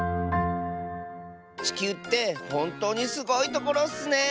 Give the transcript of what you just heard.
ちきゅうってほんとうにすごいところッスね。